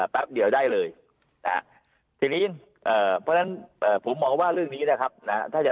แป๊บเดียวได้เลยนะฮะทีนี้เพราะฉะนั้นผมมองว่าเรื่องนี้นะครับถ้าจะ